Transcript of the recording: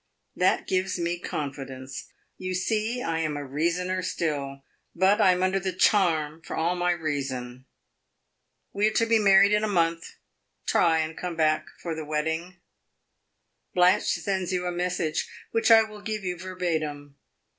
That gives me confidence you see I am a reasoner still. But I am under the charm, for all my reason. We are to be married in a month try and come back to the wedding. Blanche sends you a message, which I will give you verbatim.